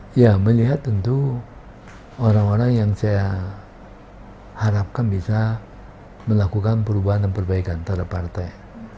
saya melihat tentu orang orang yang saya harapkan bisa melakukan perubahan dan perbaikan antara partai